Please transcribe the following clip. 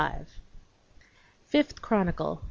Fifth Chronicle.